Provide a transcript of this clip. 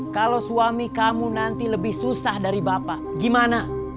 kalau suami kamu nanti lebih susah dari bapak gimana